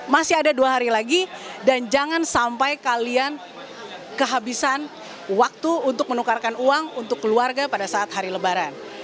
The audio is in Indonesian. masih ada dua hari lagi dan jangan sampai kalian kehabisan waktu untuk menukarkan uang untuk keluarga pada saat hari lebaran